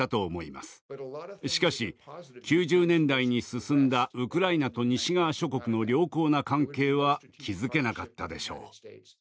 しかし９０年代に進んだウクライナと西側諸国の良好な関係は築けなかったでしょう。